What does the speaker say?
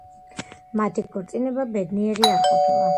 მათი ქორწინება ბედნიერი არ ყოფილა.